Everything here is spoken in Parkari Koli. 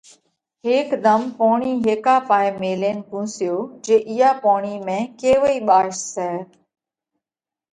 ھيڪ ڌم پوڻي ھيڪا پاھي ميلينَ پونسيو جي اِيئا پوڻِي ۾ ڪيوئي ٻاش سئہ؟